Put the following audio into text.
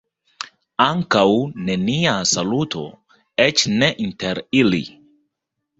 Ankaŭ nenia saluto, eĉ ne inter ili.